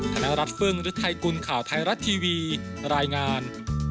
ธนรัฐฟึ่งฤทัยกุลข่าวไทยรัฐทีวีรายงาน